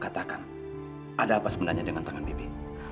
katakan ada apa sebenarnya dengan tangan bibi